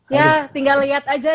ya tinggal liat aja deh